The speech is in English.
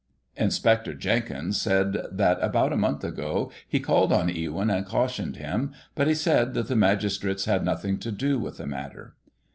Inspector Jenkins said that, about a month ago, he called on Ewyn and cautioned him, but he said that the magistrates had nothing to do with the matter.